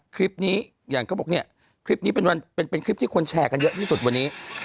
คลิปนี้อย่างเขาบอกเนี่ยคลิปนี้เป็นคลิปที่คนแชร์กันเยอะที่สุดวันนี้